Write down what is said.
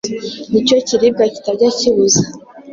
Ni cyo kiribwa kitajya kibuza